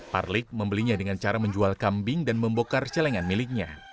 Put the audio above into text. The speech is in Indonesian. parlik membelinya dengan cara menjual kambing dan membokar celengan miliknya